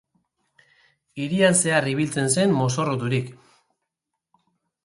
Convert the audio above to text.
Hirian zehar ibiltzen zen mozorroturik.